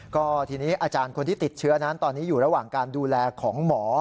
ก็ทีนี้อาจารย์คนที่ติดเชื้อนั้นตอนนี้อยู่ระหว่างการดูแลของหมอ